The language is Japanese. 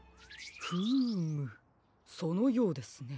フームそのようですね。